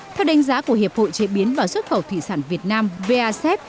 theo đánh giá của hiệp hội chế biến và xuất khẩu thủy sản việt nam vasep